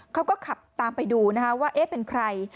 เขาก็ขับตามไปดูนะคะว่าเอ๊ะเป็นใคร